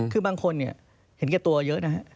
คือบางคนเห็นแก่ตัวเยอะนะ